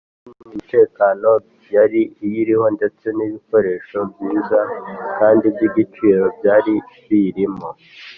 iyo nzu n’imitako yari iyiriho ndetse n’ibikoresho byiza kandi by’igiciro byari biyirimo